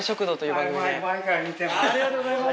ありがとうございます！